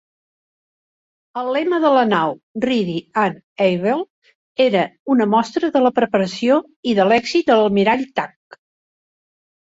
El lema de la nau, "Ready and Able", era una mostra de la preparació i de l'èxit de l'Almirall Thach.